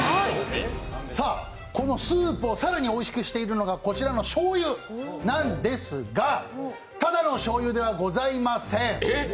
さあ、このスープを更においしくしているのが、こちらのしょうゆなんですがただのしょうゆではございません。